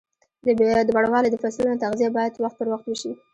د بڼوالۍ د فصلونو تغذیه باید وخت پر وخت وشي.